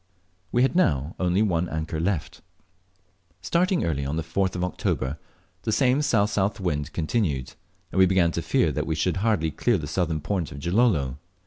We had now only one anchor left. Starting early, on the 4th of October, the same S.S.W wind continued, and we began to fear that we should hardly clear the southern point of Gilolo.